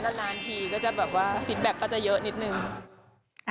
นี่ชุดแม่ชมนะ